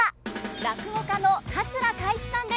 落語家の桂かい枝さんです。